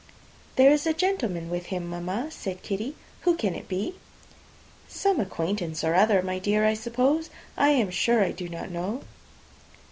"There is a gentleman with him, mamma," said Kitty; "who can it be?" "Some acquaintance or other, my dear, I suppose; I am sure I do not know."